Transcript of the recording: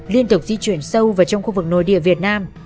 liên tục di chuyển sâu vào trong khu vực nội địa việt nam